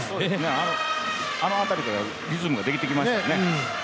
あの辺りでリズムができてきましたよね。